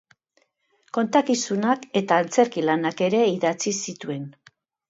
Kontakizunak eta antzerki-lanak ere idatzi zituen.